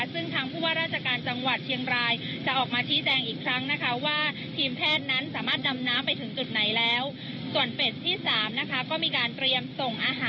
ซึ่งทางภูพระราชการจังหวัดเชียงรายจะออกมาที่แจงอีกครั้ง